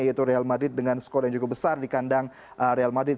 yaitu real madrid dengan skor yang cukup besar di kandang real madrid